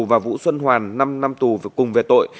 và vũ xuân hoàn năm năm tù cùng về tội